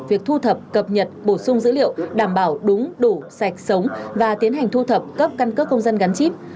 việc thu thập cập nhật bổ sung dữ liệu đảm bảo đúng đủ sạch sống và tiến hành thu thập cấp căn cước công dân gắn chip